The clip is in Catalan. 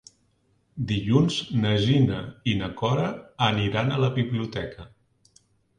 Dilluns na Gina i na Cora aniran a la biblioteca.